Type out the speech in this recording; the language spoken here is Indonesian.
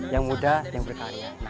yang muda yang berkarya